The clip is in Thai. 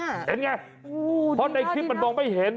เห็นไงเพราะในคลิปมันมองไม่เห็น